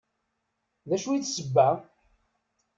D acu i d sebba?